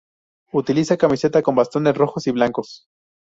Utiliza camiseta con bastones rojos y blancos.